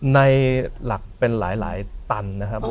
ในหลักเป็นหลายตันนะครับ